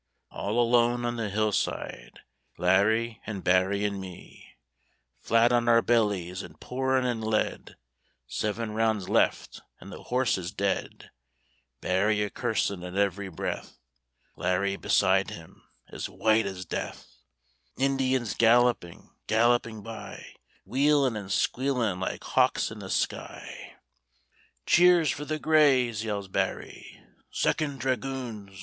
All alone on the hillside Larry an' Barry an' me; Flat on our bellies, an' pourin' in lead Seven rounds left, an' the horses dead Barry a cursin' at every breath; Larry beside him, as white as death; Indians galloping, galloping by, Wheelin' and squealin' like hawks in the sky! "Cheers for the Greys!" yells Barry; "Second Dragoons!"